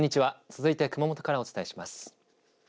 続いて熊本からお伝えします。